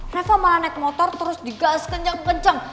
mereka malah naik motor terus digas kenceng kenceng